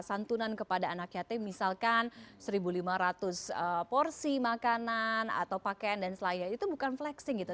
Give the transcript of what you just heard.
santunan kepada anak yatim misalkan satu lima ratus porsi makanan atau pakaian dan selain itu bukan flexing gitu